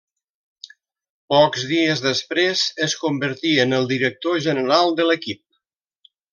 Pocs dies després es convertí en el director general de l'equip.